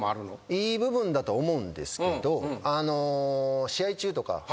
いい部分だと思うんですけど。